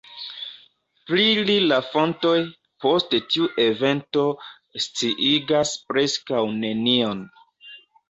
Pri li la fontoj, post tiu evento, sciigas preskaŭ nenion.